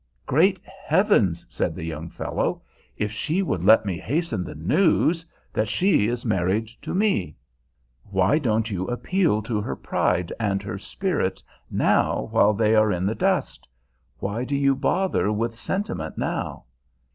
"Great Heavens!" said the young fellow, "if she would let me hasten the news that she is married to me!" "Why don't you appeal to her pride and her spirit now while they are in the dust? Why do you bother with sentiment now?"